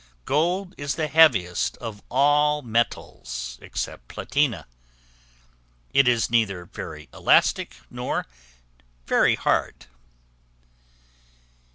Gold is the heaviest of all metals, except platina; it is neither very elastic, nor very hard.